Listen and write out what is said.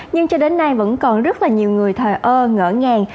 nhưng cho đến nay vẫn còn rất là nhiều người thờ ơ ngỡ ngàng